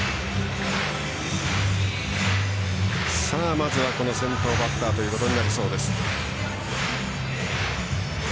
まず箱の先頭バッターということになりそうです。